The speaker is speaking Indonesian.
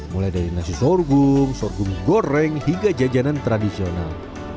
mulai dari nasi sorghum sorghum goreng hingga jajanan tradisional